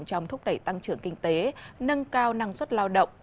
trong thúc đẩy tăng trưởng kinh tế nâng cao năng suất lao động